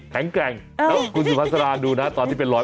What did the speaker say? แข็งเกร่งแล้วกุชิพัสราดูนะตอนที่เป็นหลอย